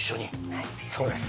はいそうです